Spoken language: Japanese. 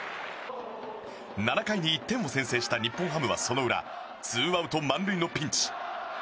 ７回に１点を先制した日本ハムはツーアウト満塁のピンチ。